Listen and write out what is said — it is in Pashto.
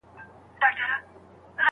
څېړونکی په خپل کار کي بشپړ خپلواک دی.